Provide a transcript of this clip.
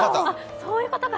そういうことか！